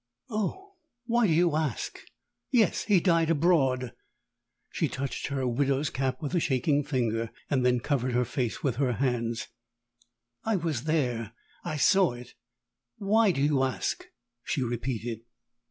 "Oh, why do you ask? Yes; he died abroad." She touched her widow's cap with a shaking finger, and then covered her face with her hands. "I was there I saw it. Why do you ask?" she repeated.